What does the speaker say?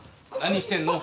何してるの？